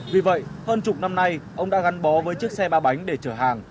vì vậy hơn chục năm nay ông đã gắn bó với chiếc xe ba bánh để chở hàng